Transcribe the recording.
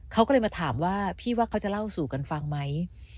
เขาก็เลยมาถามว่าพี่ว่าเขาจะเล่าสู่กันฟังไหม